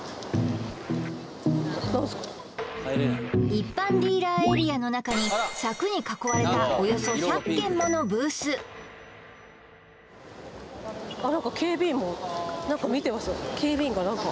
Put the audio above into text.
一般ディーラーエリアの中に柵に囲われたおよそ１００件ものブースえっ？